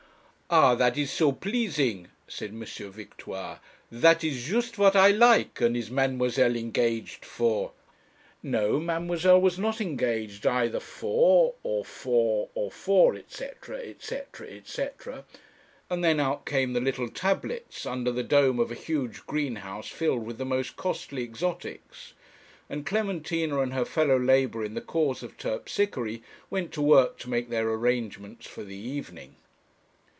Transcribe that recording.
'Ah, that is so pleasing,' said M. Victoire: 'that is just what I like; and is mademoiselle engaged for ?' No. Mademoiselle was not engaged either for or for or for &c., &c., &c. and then out came the little tablets, under the dome of a huge greenhouse filled with the most costly exotics, and Clementina and her fellow labourer in the cause of Terpsichore went to work to make their arrangements for the evening.